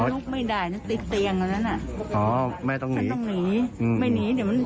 แต่มันตีบ้าน